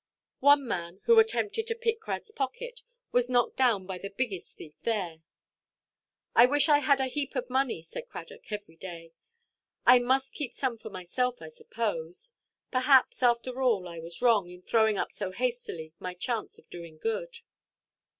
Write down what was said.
One man who attempted to pick Cradʼs pocket was knocked down by the biggest thief there. "I wish I had a heap of money," said Cradock, every day; "I must keep some for myself, I suppose. Perhaps, after all, I was wrong, in throwing up so hastily my chance of doing good."